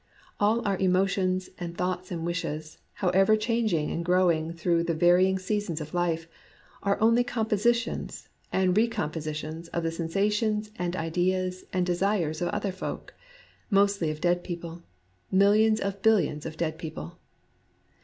All our emo tions and thoughts and wishes, however chang ing and growing through the varying seasons of life, are only compositions and recomposi 92 DUST tions of the sensations and ideas and desires of other folk, mostly of dead people, — millions of billions of dead people.